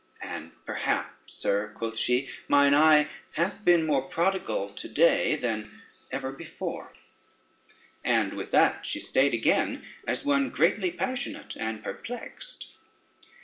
"And perhaps, sir," quoth she, "mine eye hath been more prodigal to day than ever before" and with that she stayed again, as one greatly passionate and perplexed.